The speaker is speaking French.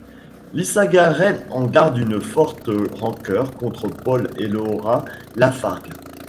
Lissagaray en garde une forte rancœur contre Paul et Laura Lafargue.